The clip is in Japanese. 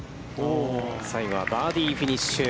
最後はバーディーフィニッシュ。